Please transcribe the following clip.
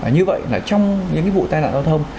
như vậy là trong những vụ tai nạn giao thông